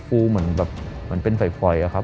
กูเหมือนเป็นฝ่ายครับ